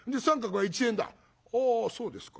「はあそうですか。